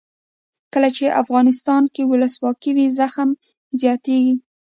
کله چې افغانستان کې ولسواکي وي زغم زیاتیږي.